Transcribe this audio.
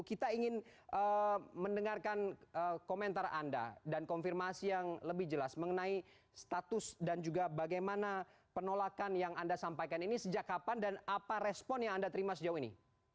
kita ingin mendengarkan komentar anda dan konfirmasi yang lebih jelas mengenai status dan juga bagaimana penolakan yang anda sampaikan ini sejak kapan dan apa respon yang anda terima sejauh ini